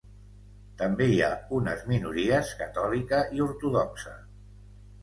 També hi ha unes minories catòlica i ortodoxa.